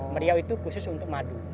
meriau itu khusus untuk madu